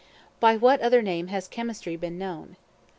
By what other name has Chemistry been known?